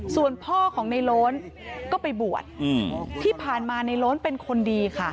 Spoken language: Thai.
ส่วนพ่อของในโล้นก็ไปบวชที่ผ่านมาในโล้นเป็นคนดีค่ะ